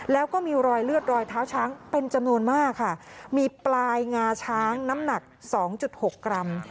แล้วก็มีรอยเลือดรอยเท้าช้างเป็นจำนวนมากค่ะมีปลายงาช้างน้ำหนักสองจุดหกรัม